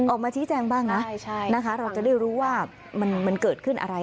ออกมาชี้แจงบ้างนะเราจะได้รู้ว่ามันเกิดขึ้นอะไร